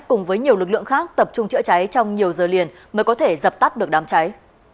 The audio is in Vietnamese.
cùng với nhiều lực lượng khác tập trung chữa cháy trong nhiều giờ liền mới có thể dập tắt được đám cháy